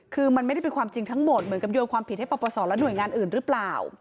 คือมันไม่ได้เป็นความจริงทั้งหมดเหมือนกับโยนความผิดให้ปปศและหน่วยงานอื่นหรือเปล่า